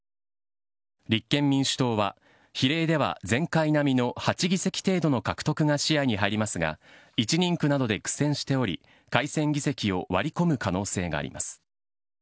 立憲民主党は、比例では前回並みの８議席程度の獲得が視野に入りますが、１人区などで苦戦しており、改選議席を割り込む可能性があります。